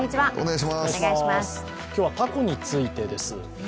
今日はたこについてです。